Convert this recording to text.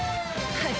はい。